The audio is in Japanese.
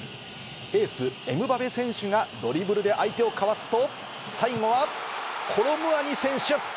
エース、エムバペ選手がドリブルで相手をかわすと、最後はコロムアニ選手。